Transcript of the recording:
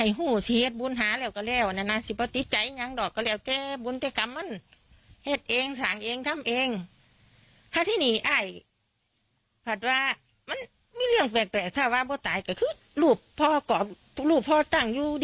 ลูกพ่อเกาะทุกลูกพ่อตั้งอยู่ดีกระโต๊ะ